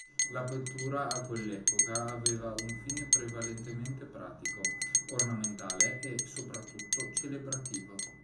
La pittura a quell'epoca aveva un fine prevalentemente pratico, ornamentale e, soprattutto, celebrativo.